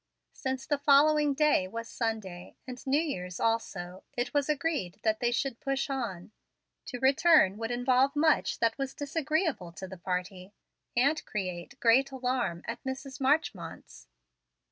Since the following day was Sunday, and New Year's also, it was agreed that they should push on. To return would involve much that was disagreeable to the party, and create great alarm at Mrs. Marchmont's.